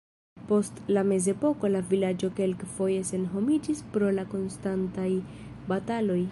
Post la mezepoko la vilaĝo kelkfoje senhomiĝis pro la konstantaj bataloj.